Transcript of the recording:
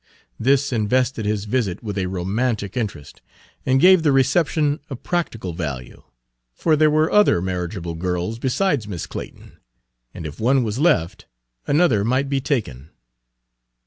This invested his visit with a romantic interest, and gave the reception a practical value; for there were other marriageable girls besides Miss Clayton, and if one was left another might be taken.